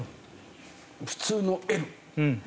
普通のＬ。